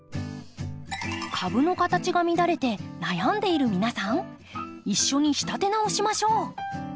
株の形が乱れて悩んでいる皆さん一緒に仕立て直しましょう。